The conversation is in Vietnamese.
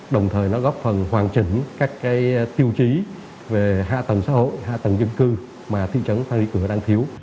đồng thời nó góp phần hoàn chỉnh các tiêu chí về hạ tầng xã hội hạ tầng dân cư mà thị trấn paris cửa đang thiếu